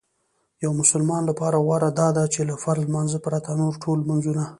یو مسلمان لپاره غوره داده چې له فرض لمانځه پرته نور ټول لمنځونه